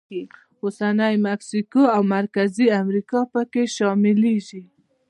اوسنۍ مکسیکو او مرکزي امریکا پکې شاملېږي.